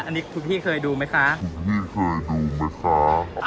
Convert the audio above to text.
อันนี้คุณพี่เคยดูไหมคะคุณพี่เคยดูไหมคะ